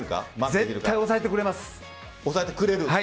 絶対抑えてくれます。